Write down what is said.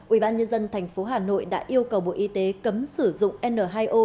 ubnd tp hà nội đã yêu cầu bộ y tế cấm sử dụng n hai o